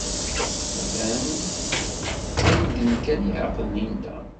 Dan dindin kan yeɛqel Linda.